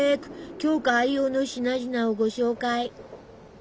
鏡花愛用の品々をご紹介！